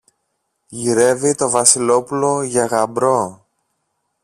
Γυρεύει το Βασιλόπουλο για γαμπρό.